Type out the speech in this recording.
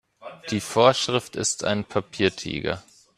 Die Vorschrift ist ein Papiertiger.